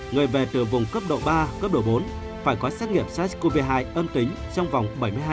người về từ vùng cấp độ ba cấp độ bốn phải có xét nghiệm sars cov hai âm tính